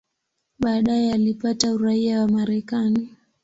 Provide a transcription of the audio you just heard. Baadaye alipata uraia wa Marekani.